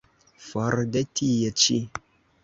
For de tie ĉi!